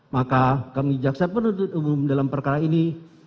maka kami jaksa penuntut umum dalam perkara ini